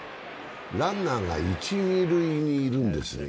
ランナーが一・二塁にいるんですね